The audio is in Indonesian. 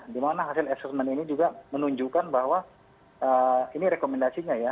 dimana hasil asesmen ini juga menunjukkan bahwa ini rekomendasinya ya